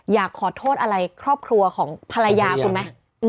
อยากขอโทษอะไรครอบครัวของภรรยาคุณไหม